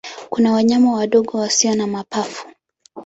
Kuna wanyama wadogo wasio na mapafu.